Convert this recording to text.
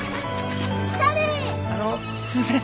あのすいません。